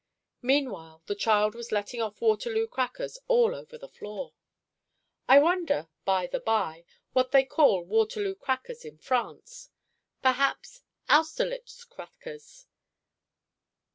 Meanwhile the child was letting off Waterloo crackers all over the floor. I wonder, by the bye, what they call Waterloo crackers in France; perhaps Austerlitz crackers.